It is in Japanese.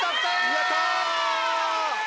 やった！